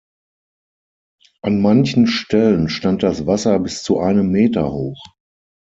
An manchen Stellen stand das Wasser bis zu einem Meter hoch.